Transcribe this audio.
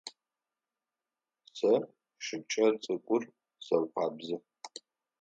Сэ шыкӏэ цӏыкӏур сэукъэбзы.